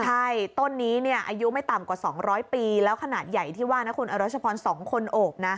ใช่ต้นนี้อายุไม่ต่ำกว่า๒๐๐ปีแล้วขนาดใหญ่ที่ว่านะคุณอรัชพร๒คนโอบนะ